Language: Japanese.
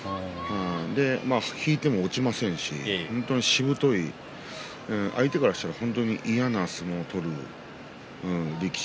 引いても落ちませんし、しぶとい相手からしたら嫌な相撲を取る力士。